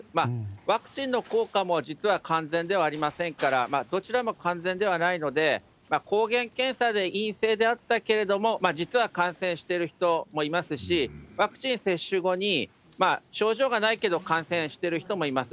ワクチンの効果も実は完全ではありませんから、どちらも完全ではないので、抗原検査で陰性であったけれども、実は感染している人もいますし、ワクチン接種後に症状がないけど、感染してる人もいます。